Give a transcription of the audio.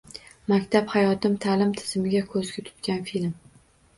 «Maktab– hayotim» – ta’lim tizimiga ko‘zgu tutgan film